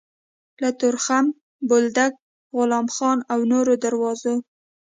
له تورخم، بولدک، غلام خان او نورو دروازو